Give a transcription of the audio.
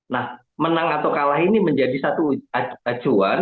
nah menang atau kalah ini menjadi satu acuan